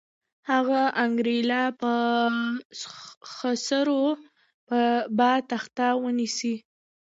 هغه انګېرله چې خسرو به تخت ونیسي.